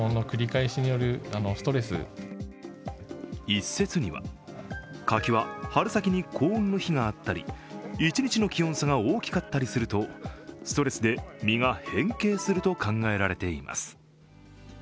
一説には、柿は春先に高温の日があったり一日の気温差が大きかったりすると実が変形すると考えられています。